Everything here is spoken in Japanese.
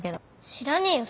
知らねえよ